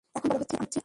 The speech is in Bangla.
এখন বড় হচ্ছি আমরা।